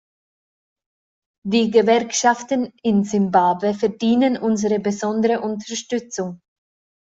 Die Gewerkschaften in Simbabwe verdienen unsere besondere Unterstützung.